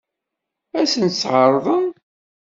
Ad sent-tt-ɛeṛḍen?